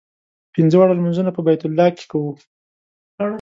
پنځه واړه لمونځونه په بیت الله کې کوو.